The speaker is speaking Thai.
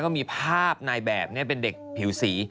ก็มีภาพนายแบบนี้เป็นเด็กผิวสี